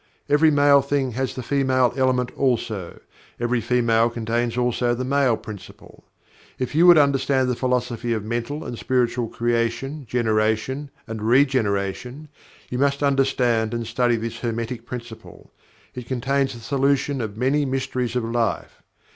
Every Male thing has the Female Element also; every Female contains also the Male Principle. If you would understand the philosophy of Mental and Spiritual Creation, Generation, and Re generation, you must understand and study this Hermetic Principle. It contains the solution of many mysteries of Life.